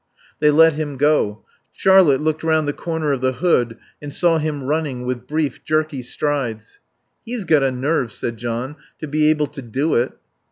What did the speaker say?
They let him go. Charlotte looked round the corner of the hood and saw him running with brief, jerky strides. "He's got a nerve," said John, "to be able to do it."